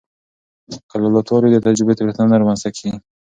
که لابراتوار وي، د تجربو تېروتنه نه رامنځته کېږي.